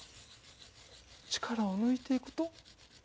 力を抜いていくと。